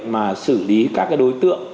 mà xử lý các cái đối tượng